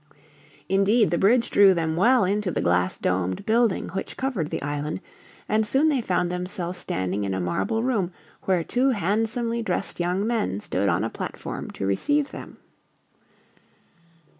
Indeed, the bridge drew them well into the glass domed building which covered the island, and soon they found themselves standing in a marble room where two handsomely dressed young men stood on a platform to receive them.